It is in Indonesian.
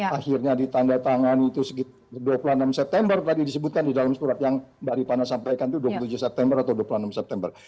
akhirnya ditanda tangan itu dua puluh enam september tadi disebutkan di dalam surat yang mbak ripana sampaikan itu dua puluh tujuh september atau dua puluh enam september